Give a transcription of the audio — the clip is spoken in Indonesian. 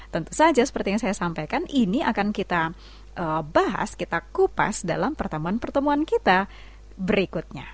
tentu saja seperti yang saya sampaikan ini akan kita bahas kita kupas dalam pertemuan pertemuan kita berikutnya